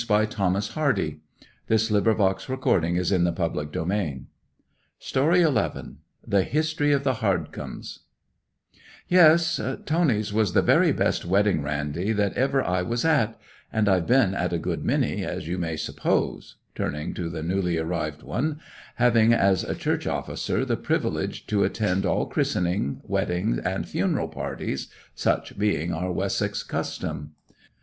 'How familiar that name is to me! What of them?' The clerk cleared his throat and began:— THE HISTORY OF THE HARDCOMES 'Yes, Tony's was the very best wedding randy that ever I was at; and I've been at a good many, as you may suppose'—turning to the newly arrived one—'having as a church officer, the privilege to attend all christening, wedding, and funeral parties—such being our Wessex custom.